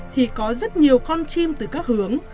thì có rất nhiều con chim từ các hướng